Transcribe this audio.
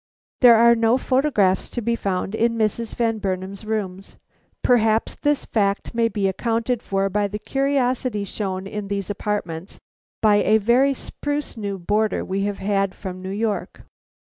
There are no photographs to be found in Mrs. Van Burnam's rooms. Perhaps this fact may be accounted for by the curiosity shown in those apartments by a very spruce new boarder we have had from New York.